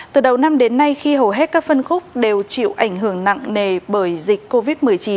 từ đầu năm đến nay khi hầu hết các phân khúc đều chịu ảnh hưởng nặng nề bởi dịch covid một mươi chín